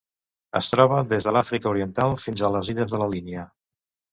Es troba des de l'Àfrica Oriental fins a les Illes de la Línia.